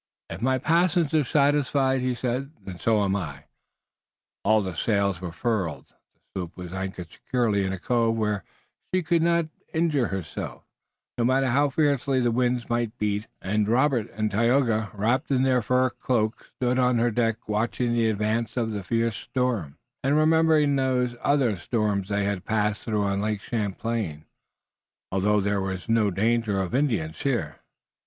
"If my passengers are satisfied," he said, "then so am I." All the sails were furled, the sloop was anchored securely in a cove where she could not injure herself, no matter how fiercely the wind might beat, and Robert and Tayoga, wrapped in their fur cloaks, stood on her deck, watching the advance of the fierce winter storm, and remembering those other storms they had passed through on Lake Champlain, although there was no danger of Indians here.